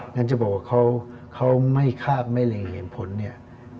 นั้นจะบอกว่าเขาไม่คาดไม่เล็งเห็นผลเนี่ย